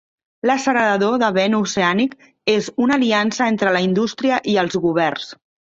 L'accelerador de vent oceànic és una aliança entre la indústria i els governs.